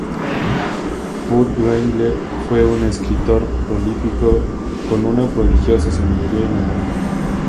Furtwängler fue un escritor prolífico con una prodigiosa sabiduría y memoria.